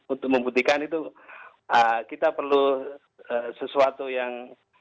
untuk membuktikan itu kita perlu sesuatu yang